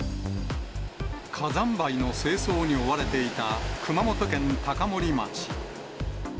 火山灰の清掃に追われていた熊本県高森町。